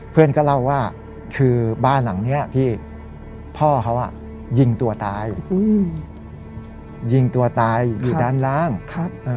เพื่อนก็เล่าว่าคือบ้านหลังเนี้ยพี่พ่อเขาอ่ะยิงตัวตายอืมยิงตัวตายอยู่ด้านล่างครับ